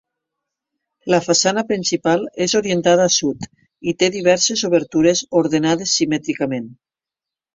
La façana principal és orientada a sud i té diverses obertures ordenades simètricament.